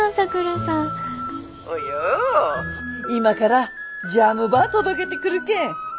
今からジャムば届けてくるけん。